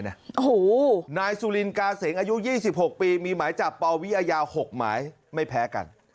โอ้โหนายสุลินกาเสงอายุ๒๖ปีมีหมายจับปวิอาญา๖หมายไม่แพ้กัน